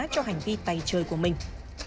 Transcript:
cho hành vi tay chơi của mình